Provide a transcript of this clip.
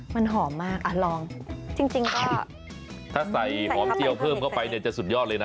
มันหอมมากอ่ะลองจริงจริงค่ะถ้าใส่หอมเจียวเพิ่มเข้าไปเนี่ยจะสุดยอดเลยนะ